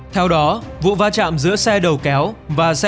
theo đó vụ va chạm giữa xe đầu kéo và xe ô tô tập lạc